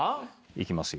いきますよ。